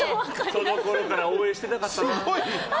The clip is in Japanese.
そのころから応援してたかったなって。